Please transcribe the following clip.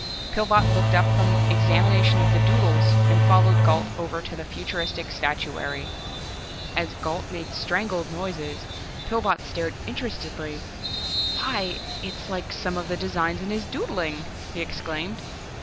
Pillbot looked up from examination of the "doodles" and followed Gault over to the futuristic statuary. As Gault made strangled noises, Pillbot stared interestedly. "Why its like some of the designs in his doodling," he exclaimed.